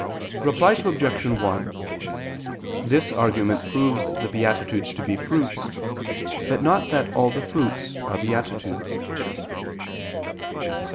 Reply Obj. 1: This argument proves the beatitudes to be fruits, but not that all the fruits are beatitudes.